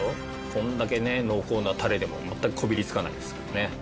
これだけね濃厚なタレでも全くこびりつかないですからね。